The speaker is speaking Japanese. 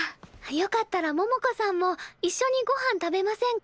よかったら百子さんも一緒にごはん食べませんか？